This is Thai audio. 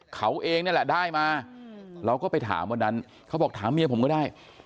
เขาเองนี่แหละได้มาเราก็ไปถามวันนั้นเขาบอกถามเมียผมก็ได้